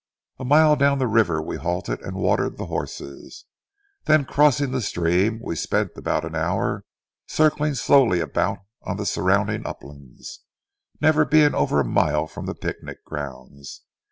A mile down the river, we halted and watered the horses. Then, crossing the stream, we spent about an hour circling slowly about on the surrounding uplands, never being over a mile from the picnic grounds.